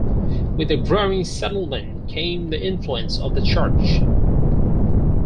With the growing settlement came the influence of the Church.